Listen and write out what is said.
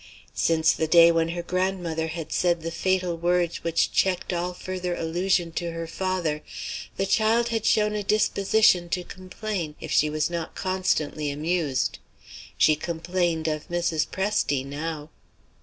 Since the day when her grandmother had said the fatal words which checked all further allusion to her father, the child had shown a disposition to complain, if she was not constantly amused. She complained of Mrs. Presty now.